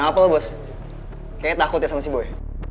hai kenapa lo bos kayaknya takut sama si boy